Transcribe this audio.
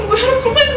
gue harus lupain